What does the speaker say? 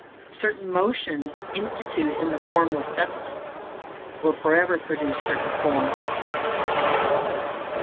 Certain motions instituted in the Formless Substance will forever produce certain forms.